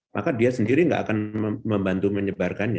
maka dia sendiri tidak akan membantu menyebarkannya